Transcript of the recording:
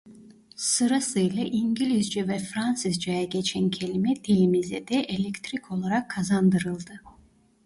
Sırasıyla İngilizce ve Fransızca'ya geçen kelime dilimize de "elektrik" olarak kazandırıldı.